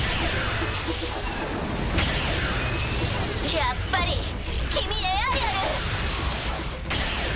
やっぱり君エアリアル。